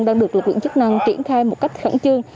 đang được lực lượng chức năng triển khai một cách khẩn trương